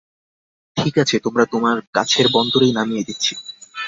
ঠিক আছে, আমরা তোমাকে কাছের বন্দরেই নামিয়ে দিচ্ছি।